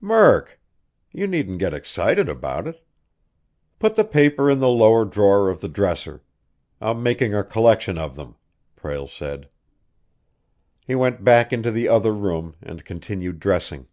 "Murk! You needn't get excited about it. Put the paper in the lower drawer of the dresser; I'm making a collection of them," Prale said. He went back into the other room and continued dressing.